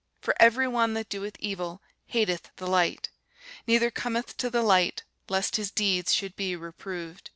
For every one that doeth evil hateth the light, neither cometh to the light, lest his deeds should be reproved.